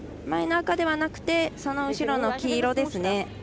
真ん中ではなくてその後ろの黄色ですね。